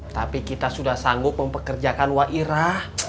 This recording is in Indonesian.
tapi kita sudah sanggup mempekerjakan wairah